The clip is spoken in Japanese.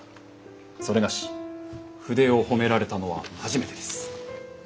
それがし筆を褒められたのは初めてです。